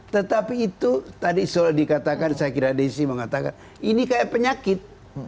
tetapi itu tadi soal dikatakan saya kira desi mengatakan ini kayak penyakit